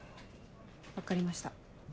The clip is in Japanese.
分かりました。